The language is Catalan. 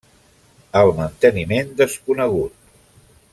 El manteniment desconegut.